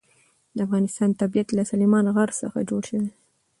د افغانستان طبیعت له سلیمان غر څخه جوړ شوی دی.